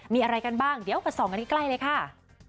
มีอะไรกันบ้างเดี๋ยวไปส่องกันใกล้เลยค่ะ